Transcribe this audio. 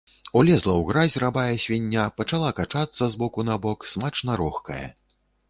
Улезла ў гразь рабая свіння, пачала качацца з боку на бок, смачна рохкае.